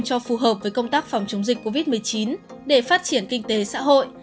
cho phù hợp với công tác phòng chống dịch covid một mươi chín để phát triển kinh tế xã hội